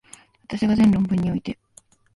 私が前論文において、